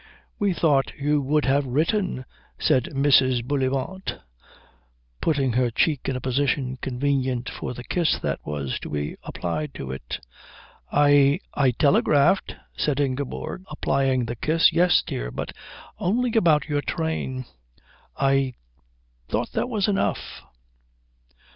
"We thought you would have written," said Mrs. Bullivant, putting her cheek in a position convenient for the kiss that was to be applied to it. "I I telegraphed," said Ingeborg, applying the kiss. "Yes, dear, but only about your train." "I thought that was enough."